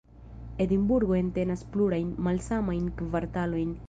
Edinburgo entenas plurajn, malsamajn kvartalojn.